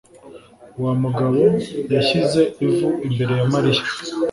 Wa mugabo yashyize ivu imbere ya Mariya.